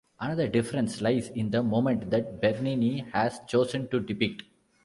Another difference lies in the moment that Bernini has chosen to depict.